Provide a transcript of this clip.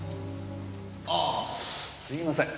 あぁすいません。